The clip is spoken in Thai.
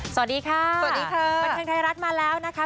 สวัสดีค่ะสวัสดีค่ะบันเทิงไทยรัฐมาแล้วนะคะ